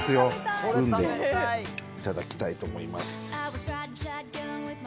スプーンでいただきたいと思います。